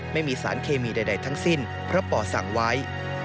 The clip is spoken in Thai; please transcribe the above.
ไม่มีสารเคมีใดทั้งสิ้นเพราะป่อสั่งไว้